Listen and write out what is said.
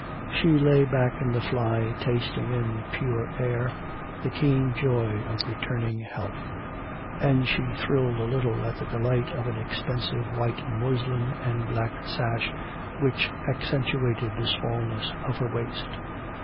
She lay back in the fly tasting in the pure air, the keen joy of returning health, and she thrilled a little at the delight of an expensive white muslin and a black sash which accentuated the smallness of her waist.